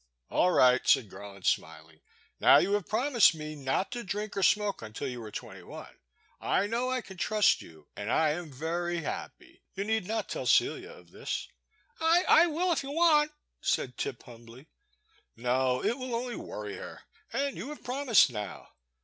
'* All right," said Garland, smiling, now you have promised me not to drink or smoke until you are twenty one. I know I can trust you, and I am very happy. You need not tell Celia of this." I — I will if you want ?" said Tip, humbly. No, — it win only worry her — and you have promised now.